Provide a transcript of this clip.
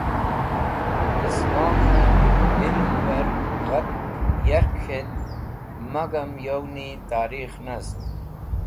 Islome ilmẽr gha yark k̃hetk magam yoni tarikh nast.